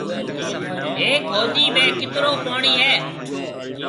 هيڪ هودي ۾ ڪيترو پوڻِي هيَ۔